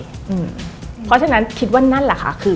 เพราะฉะนั้นคิดว่านั่นแหละค่ะคือ